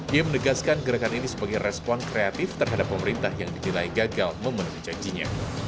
ia menegaskan gerakan ini sebagai respon kreatif terhadap pemerintah yang ditilai gagal memenuhi janjinya